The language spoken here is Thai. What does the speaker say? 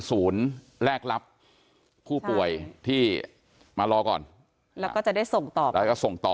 แลกรับผู้ป่วยที่มารอก่อนแล้วก็จะได้ส่งต่อไปแล้วก็ส่งต่อ